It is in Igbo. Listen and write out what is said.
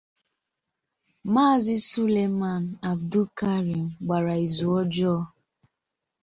Maazị Suleiman Abdulkareem gbàra ìzù ọjọọ